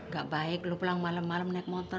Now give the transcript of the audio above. gak baik lo pulang malam malam naik motor